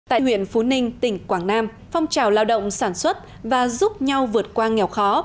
tại huyện phú ninh tỉnh quảng nam phong trào lao động sản xuất và giúp nhau vượt qua nghèo khó